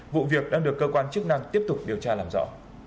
vụ việc đang được cơ quan chức năng tiếp tục điều tra làm rõ